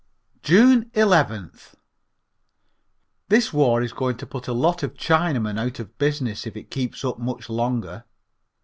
June 11th. This war is going to put a lot of Chinamen out of business if it keeps up much longer.